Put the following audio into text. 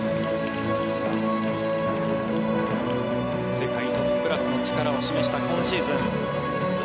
世界トップクラスの力を示した今シーズン。